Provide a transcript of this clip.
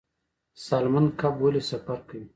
سالمن کب ولې سفر کوي؟